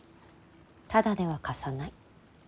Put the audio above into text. タダでは貸さない。